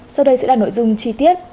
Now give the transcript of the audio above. sau đây sẽ là nội dung chi tiết